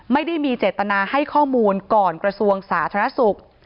ไม่ได้มีเจตนาให้ข้อมูลก่อนกระทรวงสาธารณสุข